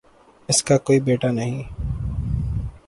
اس کا کوئی بیٹا نہیں